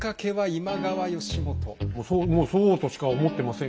もうそうとしか思ってません。